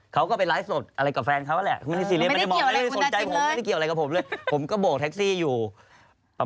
เขาก็ไปไลฟ์สดอะไรกับแฟนเค้าแหละ